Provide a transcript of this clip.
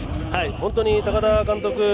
本当に高田監督